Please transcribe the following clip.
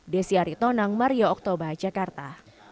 desyari tonang mario oktoba jakarta